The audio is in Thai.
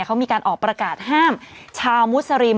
เขามีการออกประกาศห้ามชาวมุสลิม